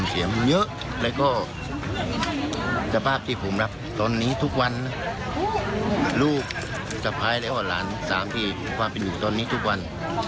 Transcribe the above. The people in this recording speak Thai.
หลานลูกสะพายแล้วหลานสามที่ความเป็นอยู่ตอนนี้ทุกวัน